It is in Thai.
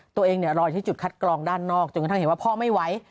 รออยู่ที่จุดคัดกรองด้านนอกจนกระทั่งเห็นว่าพ่อไม่ไหว